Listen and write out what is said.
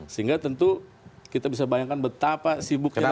sehingga tentu kita bisa bayangkan betapa sibuknya